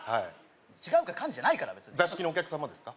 違うから幹事じゃないから別に座敷のお客様ですか？